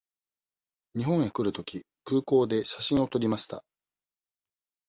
日本へ来るとき、空港で写真を撮りました。